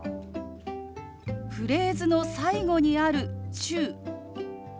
フレーズの最後にある「中」。